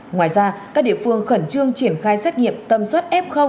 ngoài ra các địa phương khẩn trương triển khai xét nghiệm tâm suất f